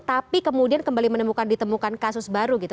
tapi kemudian kembali menemukan ditemukan kasus baru gitu